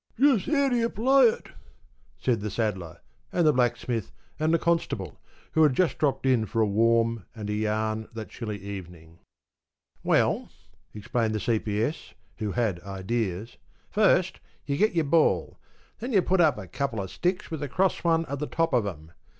‘How do you play it?’ asked the Saddler, and the Blacksmith, and the Constable, who had just dropped in for a warm and a yarn that chilly evening. ‘Well,’ explained the C.P.S., who had ideas, ‘first you get your ball. Then you put up a couple of sticks with a cross one on the top of 'em.